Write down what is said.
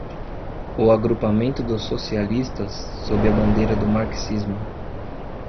o agrupamento dos socialistas sob a bandeira do marxismo